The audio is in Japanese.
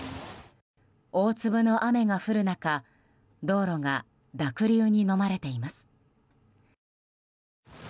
大粒の雨が降る中道路が濁流にのまれています。